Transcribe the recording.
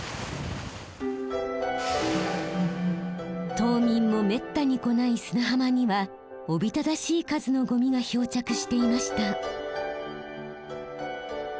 島民もめったに来ない砂浜にはおびただしい数のゴミが漂着していました。